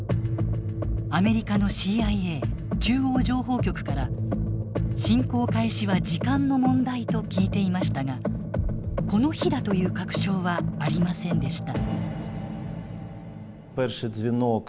アメリカのＣＩＡ中央情報局から「侵攻開始は時間の問題」と聞いていましたがこの日だという確証はありませんでした。